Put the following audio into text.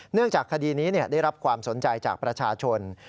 จากคดีนี้ได้รับความสนใจจากประชาชน